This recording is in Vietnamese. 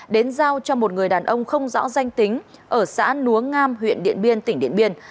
đến giao cho một người đàn ông không rõ danh tính ở xã núa ngam huyện điện biên tỉnh điện biên